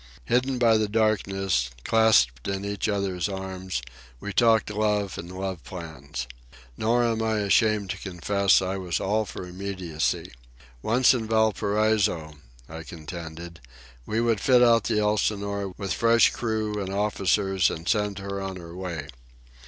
Hidden by the darkness, clasped in each other's arms, we talked love and love plans. Nor am I shamed to confess that I was all for immediacy. Once in Valparaiso, I contended, we would fit out the Elsinore with fresh crew and officers and send her on her way.